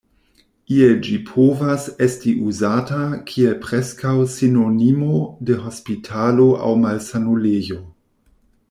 Iel ĝi povas esti uzata kiel preskaŭ sinonimo de hospitalo aŭ malsanulejo.